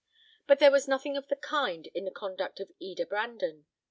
But there was nothing of the kind in the conduct of Eda Brandon.